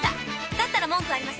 だったら文句はありません。